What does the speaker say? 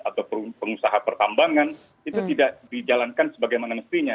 atau pengusaha pertambangan itu tidak dijalankan sebagai manganestrinya